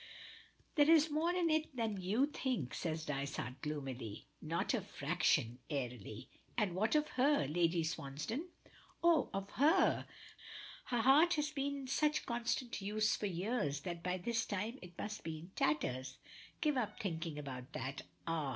"There is more in it than you think," says Dysart gloomily. "Not a fraction!" airily. "And what of her? Lady Swansdown?" "Of her! Her heart has been in such constant use for years that by this time it must be in tatters. Give up thinking about that. Ah!